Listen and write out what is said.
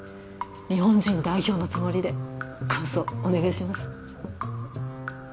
日本人代表のつもりで感想お願いします。